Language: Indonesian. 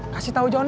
kasih tau jony